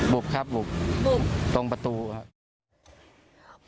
บครับบุบตรงประตูครับ